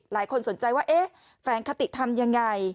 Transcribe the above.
หลายคนสนใจว่าแฟลงคาติทำอย่างไร